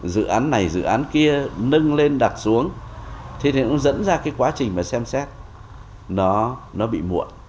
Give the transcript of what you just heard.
dự án này dự án kia nâng lên đặt xuống thì cũng dẫn ra quá trình xem xét bị muộn